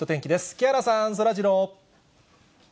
木原さん、そらジロー。